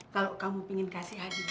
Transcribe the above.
kalau kamu pengen kasih oma gak butuh